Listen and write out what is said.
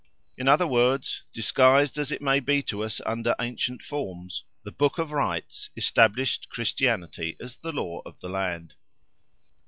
In other words, disguised as it may be to us under ancient forms, "the Book of Rights" establishes Christianity as the law of the land.